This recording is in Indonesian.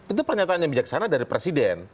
itu pernyataan yang bijaksana dari presiden